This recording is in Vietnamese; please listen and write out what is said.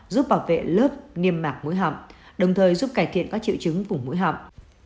giúp bảo vệ lớp nghiêm mạc mũi họng đồng thời giúp cải thiện các triệu chứng vùng mũi họng